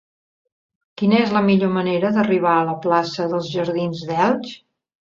Quina és la millor manera d'arribar a la plaça dels Jardins d'Elx?